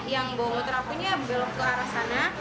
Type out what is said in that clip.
yang bawa motor aku belok ke arah sana